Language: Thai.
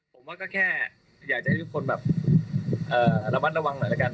ผมว่าก็แค่อยากจะให้ทุกคนแบบระมัดระวังหน่อยละกัน